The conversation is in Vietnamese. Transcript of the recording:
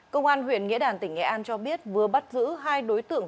công an huyện nghĩa đàn tỉnh nghệ an cho biết vừa bắt giữ hai đối tượng